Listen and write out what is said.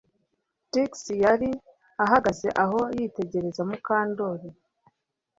Trix yari ahagaze aho yitegereza Mukandoli